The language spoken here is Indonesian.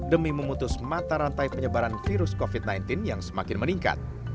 demi memutus mata rantai penyebaran virus covid sembilan belas yang semakin meningkat